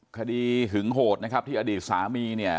หึงโหดนะครับที่อดีตสามีเนี่ย